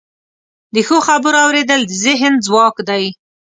د ښو خبرو اوریدل د ذهن ځواک دی.